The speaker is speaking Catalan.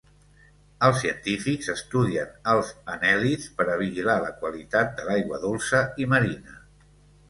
Els científics estudien els anèl·lids per a vigilar la qualitat de l'aigua dolça i marina.